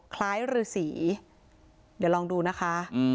คล้ายฤษีเดี๋ยวลองดูนะคะ